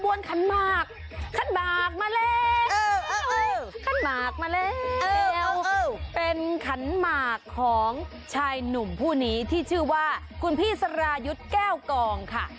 ส่วนขันหมากคันหมากมาแหล่วเป็นขันหมากของชายหนุ่มผู้หนีที่ชื่อว่าคุณพี่สรายุทแก้วกองค่ะ